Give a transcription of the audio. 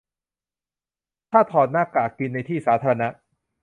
ถ้าถอดหน้ากากกินในที่สาธารณะ